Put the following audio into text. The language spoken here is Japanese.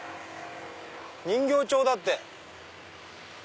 人形町だって！